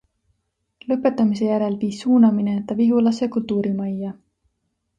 Lõpetamise järel viis suunamine ta Vihulasse kultuurimajja.